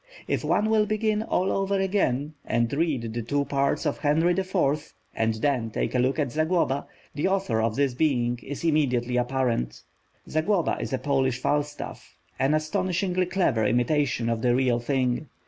If one will begin all over again, and read the two parts of Henry IV, and then take a look at Zagloba, the author of his being is immediately apparent. Zagloba is a Polish Falstaff, an astonishingly clever imitation of the real thing.